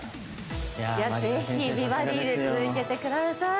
ぜひ「美バディ」で続けてください